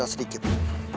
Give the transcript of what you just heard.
asal lo berdua tau